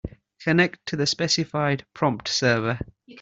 Connect to the specified prompt server.